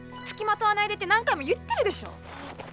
つきまとわないでって何回も言ってるでしょ。